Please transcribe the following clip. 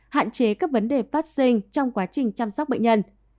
hạn chế các vấn đề phát sinh trong quá trình chăm sóc bệnh nhân